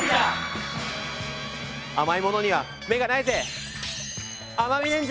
あまいものにはめがないぜ！